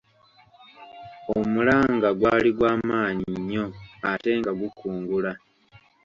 Omulanga gwali gwamanyi nnyo ate nga gukungula.